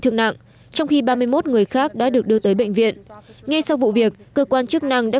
thiêu cháy và nhiều người khác đã được đưa tới bệnh viện ngay sau vụ việc cơ quan chức năng đã